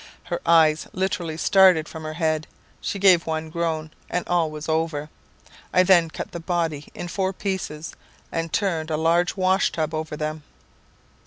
Her eyes literally started from her head, she gave one groan, and all was over. I then cut the body in four pieces, and turned a large washtub over them.